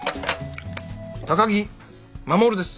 高木護です。